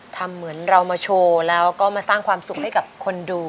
เหมือนเรามาโชว์แล้วก็มาสร้างความสุขให้กับคนดู